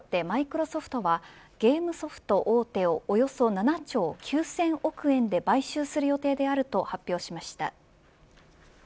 マイクロソフトがゲームソフト大手をおよそ７兆９０００億円で買収する予定であると発表しました。